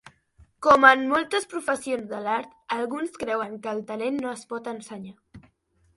Com en moltes professions de l'art, alguns creuen que el talent no es pot ensenyar.